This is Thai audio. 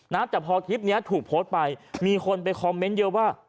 นะแต่พอคลิปนี้ถูกโพสต์ไปมีคนไปคอมเมนต์เยอะว่า